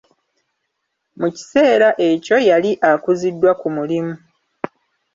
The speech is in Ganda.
Mu kiseera ekyo yali akuziddwa ku mulimu!